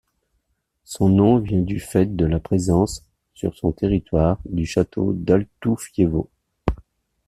Son nom vient du fait de la présence, sur son territoire, du château d'Altoufievo.